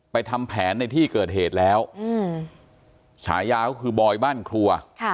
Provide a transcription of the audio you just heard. ทำแผนในที่เกิดเหตุแล้วฉายาก็คือบอยบ้านครัว